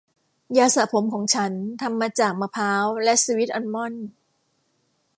ยาสระผมของฉันทำมาจากมะพร้าวและสวีทอัลมอนด์